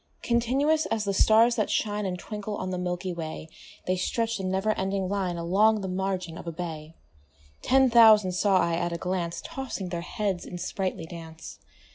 Continuous as the stars that shine And twinkle on the milky way, They stretch'd in never ending line Along the margin of a bay: Ten thousand saw I at a glance Tossing their heads in sprightly dance.